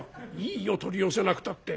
「いいよ取り寄せなくたって。